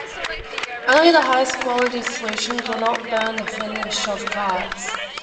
Only the highest quality solutions will not burn the finish of cards.